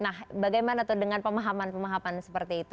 nah bagaimana tuh dengan pemahaman pemahaman seperti itu